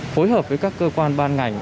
phối hợp với các cơ quan ban ngành